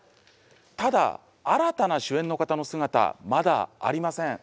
ただ新たな主演の方の姿まだありません。